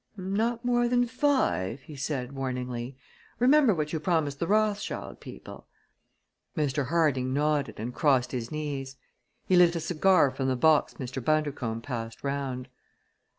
"Not more than five," he said warningly. "Remember what you promised the Rothschild people." Mr. Harding nodded and crossed his knees. He lit a cigar from the box Mr. Bundercombe passed round.